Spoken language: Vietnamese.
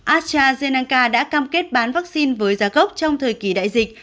astrazeneanca đã cam kết bán vaccine với giá gốc trong thời kỳ đại dịch